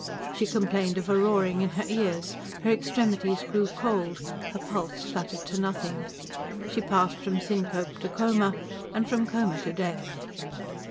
She complained of a roaring in her ears, her extremities grew cold, her pulse fluttered to nothing. She passed from syncope to coma, and from coma to death.